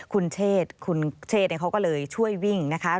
คุณเชษคุณเชษเขาก็เลยช่วยวิ่งนะคะ